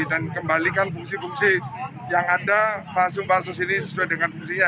dan kembalikan fungsi fungsi yang ada faham faham sesuai dengan fungsinya